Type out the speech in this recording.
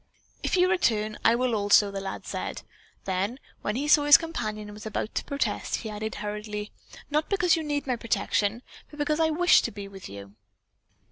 "If you return, I will also," the lad said; then, when he saw that his companion was about to protest, he hurriedly added: "Not because you need my protection, but because I wish to be with you."